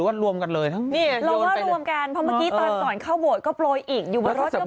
ถ้าเกิดอย่างนี้เขาก็โปรดเป็นระบบรวมกันเลย